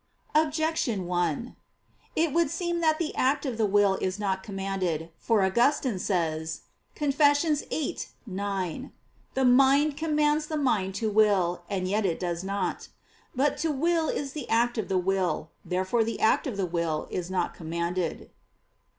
Objection 1: It would seem that the act of the will is not commanded. For Augustine says (Confess. viii, 9): "The mind commands the mind to will, and yet it does not." But to will is the act of the will. Therefore the act of the will is not commanded.